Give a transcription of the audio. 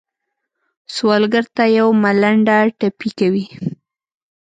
سوالګر ته یو ملنډه ټپي کوي